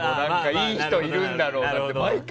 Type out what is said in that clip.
いい人がいるんだろうなと。